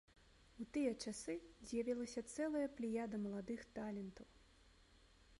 У тыя часы з'явілася цэлая плеяда маладых талентаў.